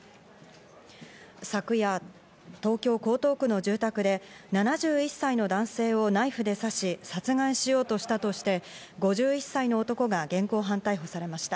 昨夜、東京・江東区の住宅で７１歳の男性をナイフで刺し殺害しようとしたとして、５１歳の男が現行犯逮捕されました。